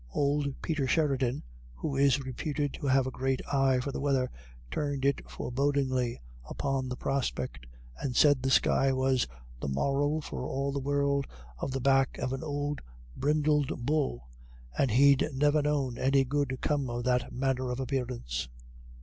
Old Peter Sheridan, who is reputed to have "a great eye for the weather," turned it forebodingly upon the prospect, and said the sky was "the moral for all the world of the back of an ould brindled bull, and he'd never known any good come of that manner of apparance."